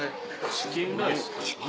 チキンライス。